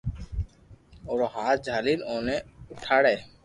اورو ھاٿ جھالِین اوني اُوٺاڙي